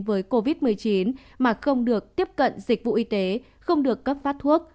với covid một mươi chín mà không được tiếp cận dịch vụ y tế không được cấp phát thuốc